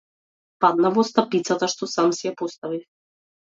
Паднав во стапицата што сам си ја поставив.